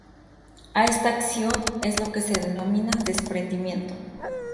A esta acción es lo que se denomina "desprendimiento".